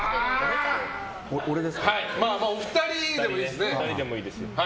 お二人でもいいですよ。